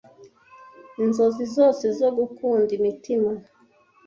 inzozi zose zo gukunda imitima